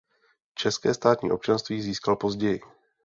České státní občanství získal později.